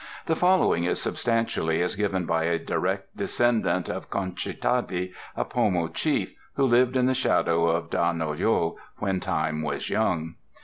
The following is substantially as given by a direct descendant of Con che Tadi, a Pomo Chief, who lived in the shadow of Dah nol yo, when time was young.